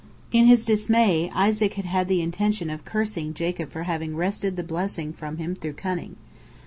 In his dismay, Isaac had had the intention of cursing Jacob for having wrested the blessing from him through cunning.